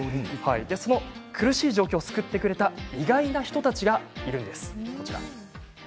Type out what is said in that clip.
その苦しい状況を救ってくれた意外な人たちがいるんです。